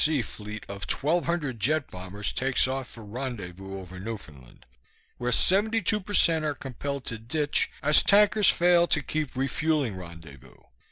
C. fleet of 1200 jet bombers takes off for rendezvous over Newfoundland, where 72% are compelled to ditch as tankers fail to keep refueling rendezvous.